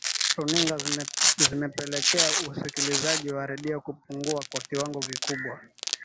runinga zimepelekea usikilizaji wa redio kupungua kwa kiwango kikubwa